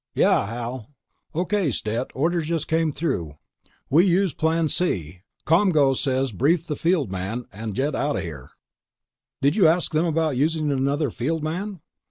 "Yeah, Hal?" "O.K., Stet. Orders just came through. We use Plan C. ComGO says to brief the field man, and jet out of here." "Did you ask them about using another field man?"